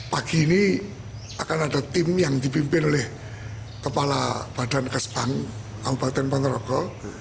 pagi ini akan ada tim yang dipimpin oleh kepala badan kesbang kabupaten ponorogo